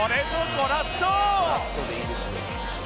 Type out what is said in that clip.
「ゴラッソでいいですよ」